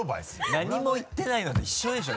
何も言ってないのと一緒でしょ。